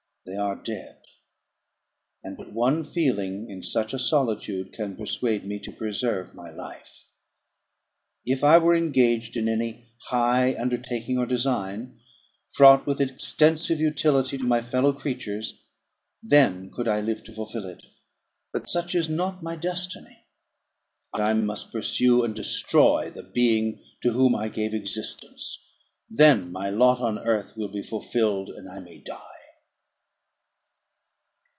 They are dead; and but one feeling in such a solitude can persuade me to preserve my life. If I were engaged in any high undertaking or design, fraught with extensive utility to my fellow creatures, then could I live to fulfil it. But such is not my destiny; I must pursue and destroy the being to whom I gave existence; then my lot on earth will be fulfilled, and I may die."